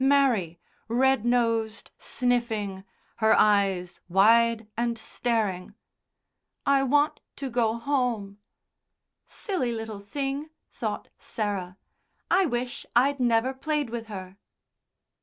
Mary, red nosed, sniffing, her eyes wide and staring. "I want to go home." "Silly little thing," thought Sarah. "I wish I'd never played with her."